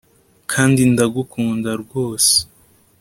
kandi ndagukunda rwose